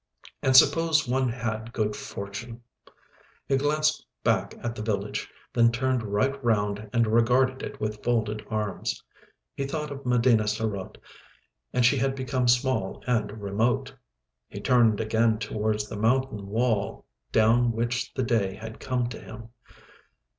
And suppose one had good fortune! He glanced back at the village, then turned right round and regarded it with folded arms. He thought of Medina sarote, and she had become small and remote. He turned again towards the mountain wall down which the day had come to him.